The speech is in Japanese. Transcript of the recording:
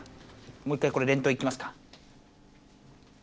もう一回れんとういきますか？